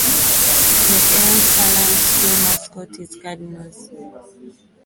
The Ell-Saline school mascot is Cardinals.